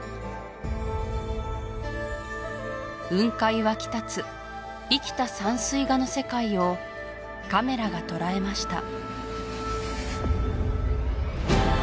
雲海湧き立つ生きた山水画の世界をカメラが捉えました